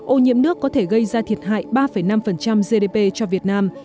ô nhiễm nước có thể gây ra thiệt hại ba năm gdp cho việt nam